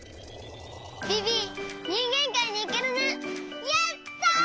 ビビにんげんかいにいけるね。